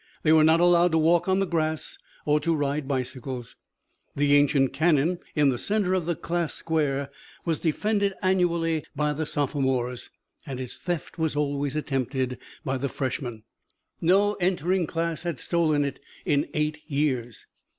They were not allowed to walk on the grass or to ride bicycles. The ancient cannon in the center of the class square was defended annually by the sophomores, and its theft was always attempted by the freshmen. No entering class had stolen it in eight years.